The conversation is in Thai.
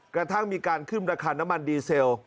กระทั่งมีการขึ้นราคาน้ำมันดีเซล